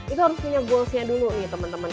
itu harus punya goalsnya dulu nih teman teman